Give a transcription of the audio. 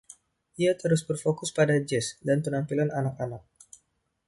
Ia terus berfokus pada jazz dan penampilan anak-anak.